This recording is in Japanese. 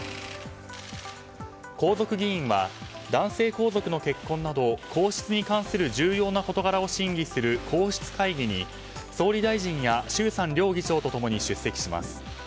皇族議員は男性皇族の結婚など皇室に関する重要な事柄を審議する皇室会議に総理大臣や衆参両議長と共に出席します。